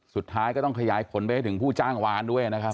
สุดท้ายก็ต้องขยายผลไปให้ถึงผู้จ้างวานด้วยนะครับ